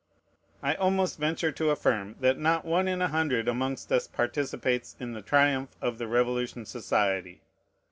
I almost venture to affirm that not one in a hundred amongst us participates in the "triumph" of the Revolution Society.